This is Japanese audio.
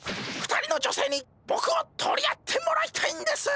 ２人の女性にボクを取り合ってもらいたいんです！